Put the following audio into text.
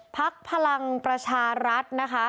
พักภลังประชารัฐ